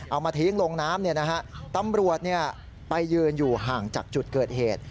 เอามาทิ้งลงน้ำตำรวจไปยืนอยู่ห่างจากจุดเกิดเหตุ